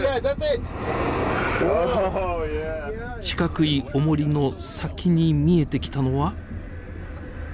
四角いおもりの先に見えてきたのは。